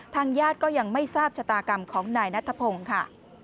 ทางญาติก็ยังไม่ทราบชะตากรรมของนายนัทพงศ์ค่ะ